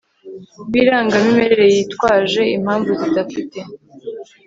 w irangamimerere yitwaje impamvu zidafite